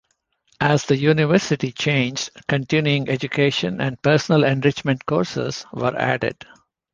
As the university changed, continuing education and personal enrichment courses were added.